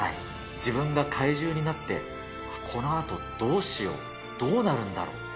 自分が怪獣になって、このあとどうしよう、どうなるんだろう。